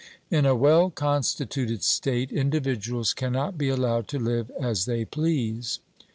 In a well constituted state, individuals cannot be allowed to live as they please.